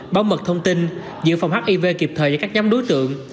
bảo mật thông tin giữ phòng hiv kịp thời cho các nhóm đối tượng